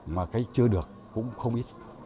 mà cái chưa được cũng không ít